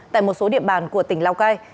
tại một số địa bàn của tỉnh lào cai